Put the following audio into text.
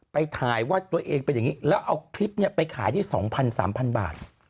ไปถ่ายว่าตัวเองเป็นอย่างนี้แล้วเอาคลิปไปขายได้๒๐๐๓๐๐บาท